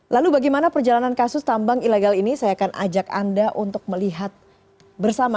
lalu bagaimana perjalanan kasus tambang ilegal ini saya akan ajak anda untuk melihat bersama